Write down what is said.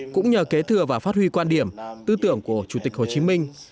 cũng nhờ kế thừa và phát huy quan điểm tư tưởng của chủ tịch hồ chí minh